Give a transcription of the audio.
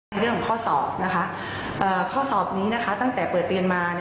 ในเรื่องของข้อสอบนะคะข้อสอบนี้นะคะตั้งแต่เปิดเรียนมา